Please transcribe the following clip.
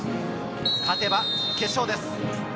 勝てば決勝です。